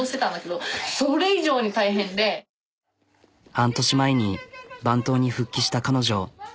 半年前に番頭に復帰した彼女。